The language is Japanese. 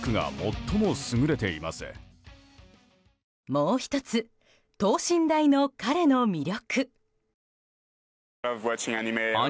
もう１つ、等身大の彼の魅力。